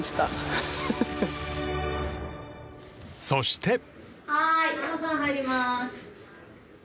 そして。